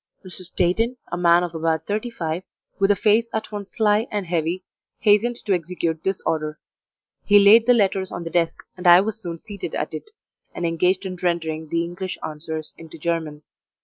Mr. Steighton, a man of about thirty five, with a face at once sly and heavy, hastened to execute this order; he laid the letters on the desk, and I was soon seated at it, and engaged in rendering the English answers into German.